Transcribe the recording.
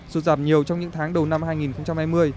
sụt giảm nhiều trong những tháng đầu năm hai nghìn hai mươi